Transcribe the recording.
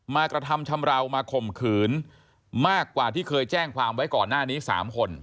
กระทำชำราวมาข่มขืนมากกว่าที่เคยแจ้งความไว้ก่อนหน้านี้๓คน